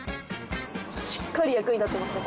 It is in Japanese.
しっかり役に立ってますね